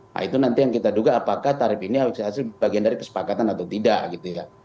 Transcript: nah itu nanti yang kita duga apakah tarif ini hasil bagian dari kesepakatan atau tidak gitu ya